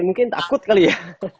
mungkin takut kali ya